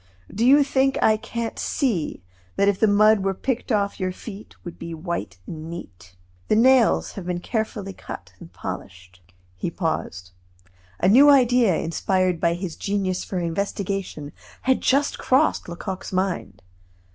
"Do you think I can't see that if the mud were picked off your feet would be white and neat? The nails have been carefully cut and polished " He paused. A new idea inspired by his genius for investigation had just crossed Lecoq's mind.